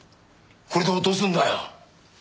これで落とすんだよ。